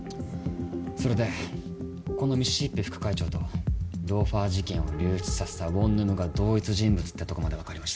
それでこのミシシッピ副会長とローファー事件を流出させた「をんぬむ」が同一人物ってとこまで分かりました。